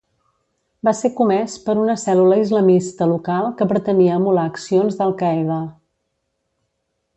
Va ser comès, per una cèl·lula islamista local que pretenia emular accions d'Al-Qaida.